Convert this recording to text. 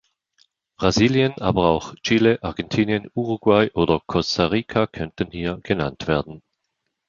Brasilien, aber auch Chile, Argentinien, Uruguay oder Costa Rica könnten hier genannt werden.